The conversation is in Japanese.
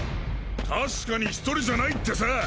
確かに「１人じゃない」ってさ！？